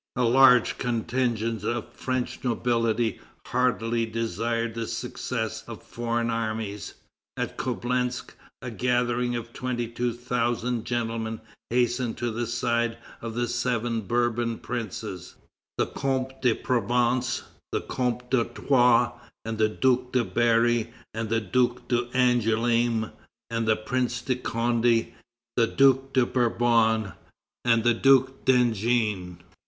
A large contingent of the French nobility heartily desired the success of foreign armies. At Coblentz a gathering of twenty two thousand gentlemen hastened to the side of the seven Bourbon princes: the Comte de Provence, the Comte d'Artois, the Duc de Berry, the Duc d'Angoulême, the Prince de Conde, the Duc de Bourbon, and the Duc d'Enghien.